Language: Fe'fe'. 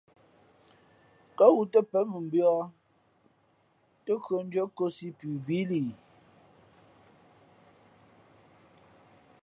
Kά wū tά pěn mʉmbīᾱ tά khʉᾱndʉ́ά kōsī pʉ bíí li ?